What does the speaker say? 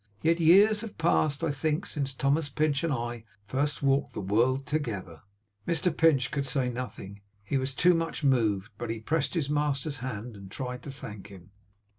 Yet years have passed, I think, since Thomas Pinch and I first walked the world together!' Mr Pinch could say nothing. He was too much moved. But he pressed his master's hand, and tried to thank him.